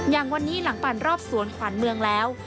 อย่างวันนี้หลังปั่นรอบสวนขวัญเมืองแล้ว